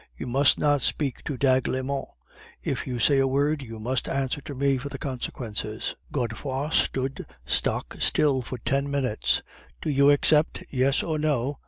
You must not speak to d'Aiglemont. If you say a word, you must answer to me for the consequences.' "Godefroid stood stock still for ten minutes. "'Do you accept? Yes or no!